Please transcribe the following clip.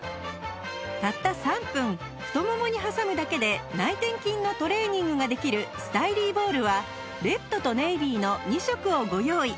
たった３分太ももに挟むだけで内転筋のトレーニングができるスタイリーボールはレッドとネイビーの２色をご用意